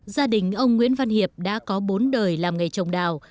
gia đình ông nguyễn văn hiệp đã có bốn đời làm nghề trồng đào